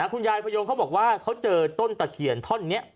พยงเขาบอกว่าเขาเจอต้นตะเคียนท่อนนี้